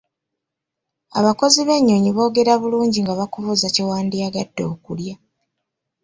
Abakozi b'ennyonyi boogera bulungi nga bakubuuza kye wandiyagadde okulya.